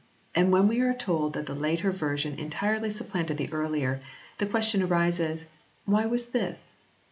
And when we are told that the later version entirely supplanted the earlier, the question arises Why was this?